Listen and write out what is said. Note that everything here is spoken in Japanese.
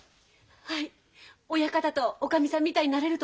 はい親方とおかみさんみたいになれると思います。